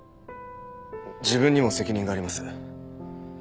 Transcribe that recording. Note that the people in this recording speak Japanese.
自分にも責任があります。